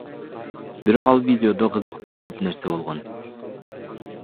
Бирок ал видеодо кызыктуу көп нерсе болгон.